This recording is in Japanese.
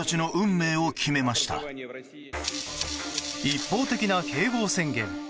一方的な併合宣言。